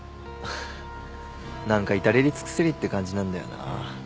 なんか至れり尽くせりって感じなんだよな。